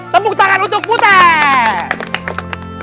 tepuk tangan untuk butet